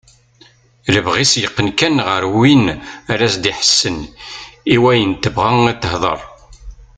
Lebɣi-s yeqqen kan ɣer win ara as-d-iḥessen i wayen tebɣa ad tehder.